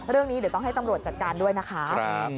เรื่องนี้เดี๋ยวต้องให้ตำรวจจัดการด้วยนะคะ